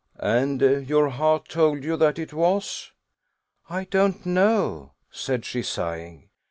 "And your heart told you that it was?" "I don't know," said she, sighing.